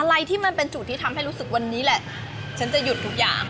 อะไรที่มันเป็นจุดที่ทำให้รู้สึกวันนี้แหละฉันจะหยุดทุกอย่าง